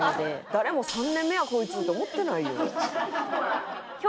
誰も３年目やこいつと思ってないよ。